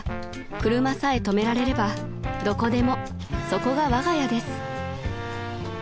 車さえとめられればどこでもそこがわが家です］